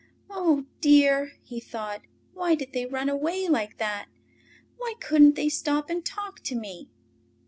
"Oh, dear!" he thought. "Why did they run away like that? Why couldn't they stop and talk to me?"